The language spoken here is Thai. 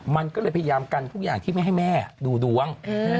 มันก็เลยพยายามกันทุกอย่างที่ไม่ให้แม่ดูดวง